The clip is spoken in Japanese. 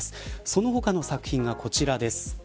その他の作品がこちらです。